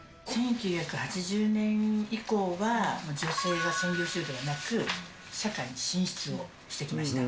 １９８０年以降は、女性が専業主婦ではなく、社会に進出をしてきました。